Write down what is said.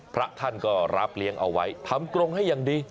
พระท่านก็รับเลี้ยงเอาไว้ทำกรงให้อย่างดี